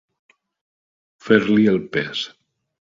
Fer-li el pes.